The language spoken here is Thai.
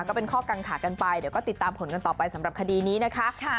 ก็เป็นข้อกังขากันไปเดี๋ยวก็ติดตามผลกันต่อไปสำหรับคดีนี้นะคะ